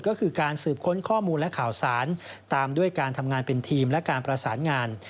ก็คือการสืบค้นข้อมูลและข่าวสารตามด้วยการทำงานเป็นทีมและการประสานงาน